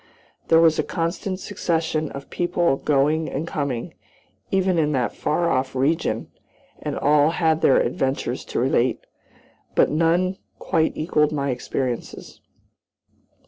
There was a constant succession of people going and coming, even in that far off region, and all had their adventures to relate. But none quite equaled my experiences.